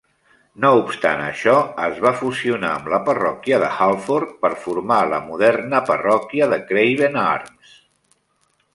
No obstant això es va fusionar amb la parròquia de Halford per formar la moderna parròquia de Craven Arms.